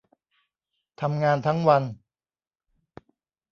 ทำงานทั้งวัน